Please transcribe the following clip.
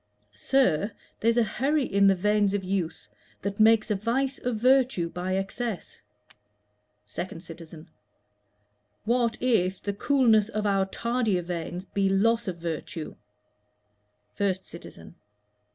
Sir, there's a hurry in the veins of youth That makes a vice of virtue by excess. 2D CITIZEN. What if the coolness of our tardier veins Be loss of virtue? 1ST CITIZEN.